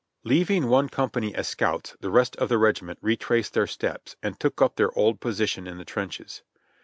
Leaving one company as scouts, the rest of the regiment retraced their steps and took up their old position in the trenches.